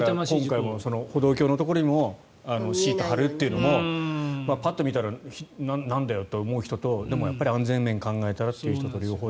今回も歩道橋のところにもシートを張るっていうのもパッと見たらなんだよと思う人とでも、安全面を考えたらという人も。